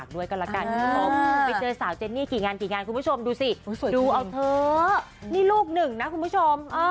ด้วยกันคุณผู้ชมไปเจอสาวเจนนี่กี่งานกี่งานคุณผู้ชมดูสิดูเอาเถอะนี่ลูกหนึ่งนะคุณผู้ชม